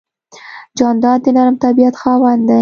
جانداد د نرم طبیعت خاوند دی.